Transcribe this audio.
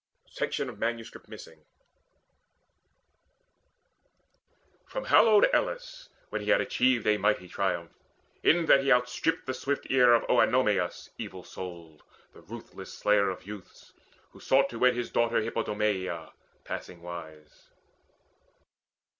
((LACUNA)) "From hallowed Elis, when he had achieved A mighty triumph, in that he outstripped The swift ear of Oenomaus evil souled, The ruthless slayer of youths who sought to wed His daughter Hippodameia passing wise.